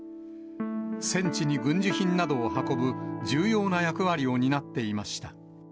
戦地に軍需品などを運ぶ重要な役割を担っていました。